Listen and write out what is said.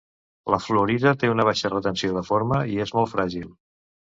La fluorita té una baixa retenció de forma i és molt fràgil.